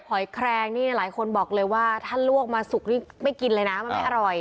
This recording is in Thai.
หอยแครงนี่หลายคนบอกเลยว่าถ้าลวกมาสุกนี่ไม่กินเลยนะมันไม่อร่อย